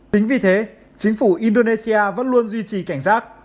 chính vì thế chính phủ indonesia vẫn luôn duy trì cảnh giác